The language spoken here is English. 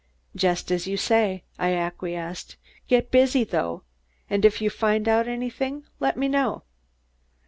"Just as you say," I acquiesced. "Get busy, though, and if you find out anything, let me know!"